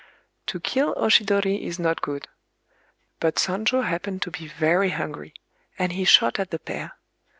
To kill oshidori is not good; but Sonjō happened to be very hungry, and he shot at the pair.